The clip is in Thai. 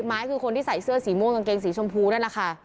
ไม้คือคนที่ใส่เสื้อสีม่วงกางเกงสีชมพูนั่นแหละค่ะ